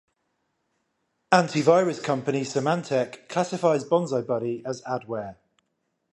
Anti-virus company Symantec classifies BonziBuddy as Adware.